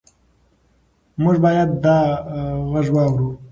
موږ باید دا غږ واورو.